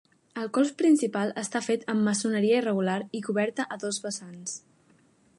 El cos principal està fet amb maçoneria irregular i coberta a dos vessants.